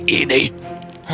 aku ingin menjaga diri